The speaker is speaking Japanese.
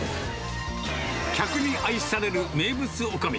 客に愛される名物おかみ。